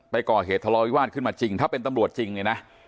ก่อเหตุทะเลาวิวาสขึ้นมาจริงถ้าเป็นตำรวจจริงเนี่ยนะ